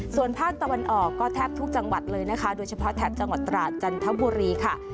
ส่วนภาคตะวันออกก็แทบทุกจังหวัดเลยนะคะโดยเฉพาะแถบจังหวัดตราดจันทบุรีค่ะ